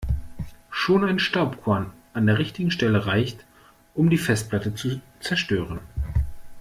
Schon ein Staubkorn an der richtigen Stelle reicht, um die Festplatte zu zerstören.